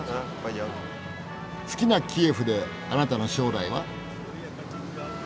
好きなキエフであなたの将来は？